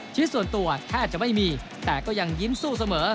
ชีวิตส่วนตัวแทบจะไม่มีแต่ก็ยังยิ้มสู้เสมอ